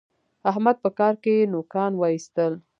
احمد په کار کې نوکان واېستل.